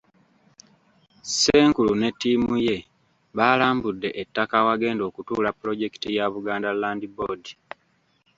Ssenkulu ne ttiimu ye baalambudde ettaka awagenda okutuula pulojekiti ya Buganda Land Board.